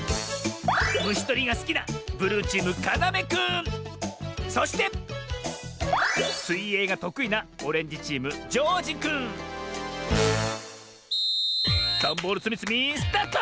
むしとりがすきなそしてすいえいがとくいなダンボールつみつみスタート！